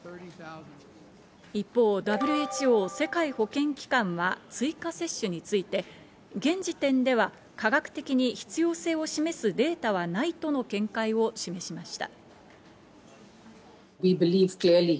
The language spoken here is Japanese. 一方、ＷＨＯ＝世界保健機関は追加接種について、現時点では科学的に必要性を示すデータはないとの見解を示しました。